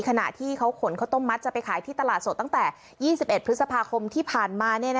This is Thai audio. ขณะที่เขาขนข้าวต้มมัดจะไปขายที่ตลาดสดตั้งแต่๒๑พฤษภาคมที่ผ่านมา